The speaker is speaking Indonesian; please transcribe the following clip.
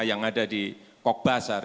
yang ada di kogbasar